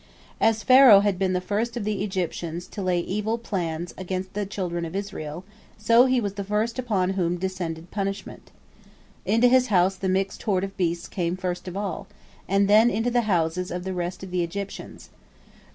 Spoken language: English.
As Pharaoh had been the first of the Egyptians to lay evil plans against the children of Israel, so he was the first upon whom descended punishment. Into his house the mixed horde of beasts came first of all, and then into the houses of the rest of the Egyptians.